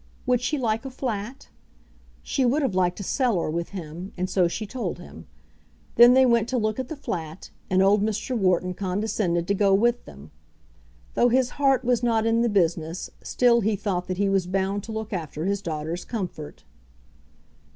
Would she like a flat? She would have liked a cellar with him, and so she told him. Then they went to look at the flat, and old Mr. Wharton condescended to go with them. Though his heart was not in the business, still he thought that he was bound to look after his daughter's comfort.